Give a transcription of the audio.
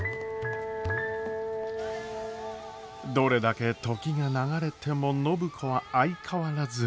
どれだけ時が流れても暢子は相変わらず。